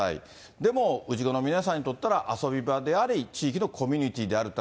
でも氏子の皆さんにとったら、遊び場であり、地域のコミュニティーである。